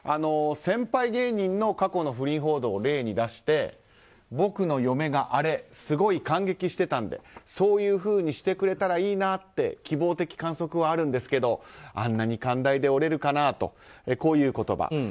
先輩芸人の過去の不倫報道を例に出して僕の嫁があれ、すごい感激してたんでそういうふうにしてくれたらいいなって希望的観測はあるんですけどあんなに寛大でおれるかなとこういう言葉。